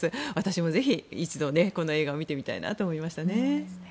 私もぜひ一度、この映画を見てみたいと思いましたね。